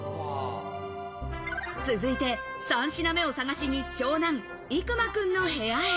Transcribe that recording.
続いて３品目を探しに、長男・いくまくんの部屋へ。